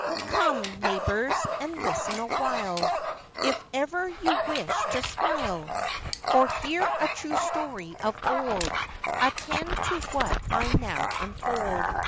] COME, neighbours, and listen awhile, If ever you wished to smile, Or hear a true story of old, Attend to what I now unfold!